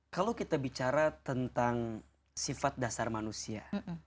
kalau kita bicara tentang sifat dasar manusia